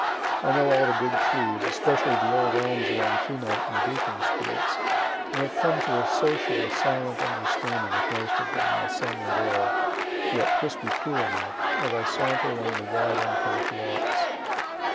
I know all the big trees, especially the old elms along Tremont and Beacon streets, and have come to a sociable silent understanding with most of them, in the sunlit air, (yet crispy cool enough,) as I saunter along the wide unpaved walks.